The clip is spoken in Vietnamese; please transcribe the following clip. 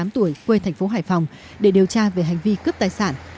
tám mươi tám tuổi quê thành phố hải phòng để điều tra về hành vi cướp tài sản